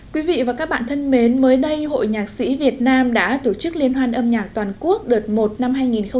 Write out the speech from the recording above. quý vị và các bạn thân mến mới đây hội nhạc sĩ việt nam đã tổ chức liên hoan âm nhạc toàn quốc đợt một năm hai nghìn hai mươi